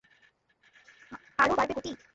আরো বাড়বে গতি!